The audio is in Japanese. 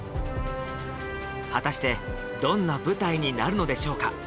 果たしてどんな舞台になるのでしょうか